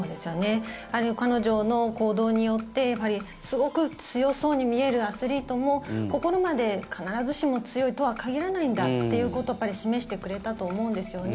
彼女の行動によってすごく強そうに見えるアスリートも心まで必ずしも強いとは限らないんだということを示してくれたと思うんですよね。